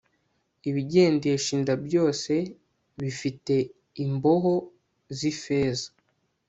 ibigendesha inda byose bifite imboho z'ifeza